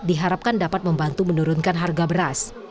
diharapkan dapat membantu menurunkan harga beras